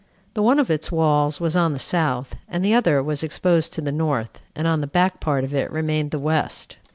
The one of its walls was on the south, and the other was exposed to the north, and on the back part of it remained the west.